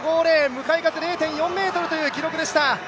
向かい風０．４メートルという記録でした。